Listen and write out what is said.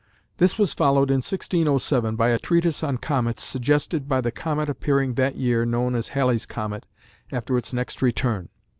This was followed in 1607 by a treatise on comets, suggested by the comet appearing that year, known as Halley's comet after its next return.